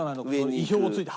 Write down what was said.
意表を突いて。